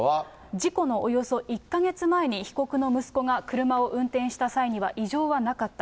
事故のおよそ１か月前に、被告の息子が車を運転した際には、異常はなかった。